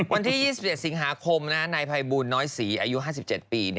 วันที่๒๗สิงหาคมนายภัยบูลน้อยศรีอายุ๕๗ปี